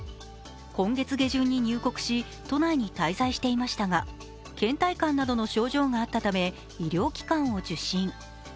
今月下旬に入国し、都内に滞在していましたがけん怠感などの症状があったため医療機関を受診。